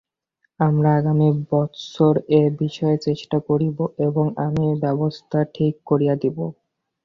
আমরা আগামী বৎসর এ বিষয়ে চেষ্টা করিব এবং আমি ব্যবস্থা ঠিক করিয়া দিব।